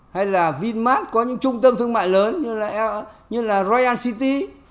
hay là vinmart có những trung tâm thương mại lớn như là royal city